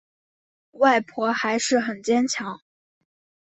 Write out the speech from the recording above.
外婆还是很坚强